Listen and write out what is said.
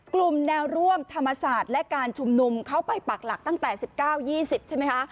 กลุ่มแนวร่วมธรรมศาสตร์และการชุมนุมเข้าไปปากหลักตั้งแต่๑๙๒๐ใช่ไหมคะ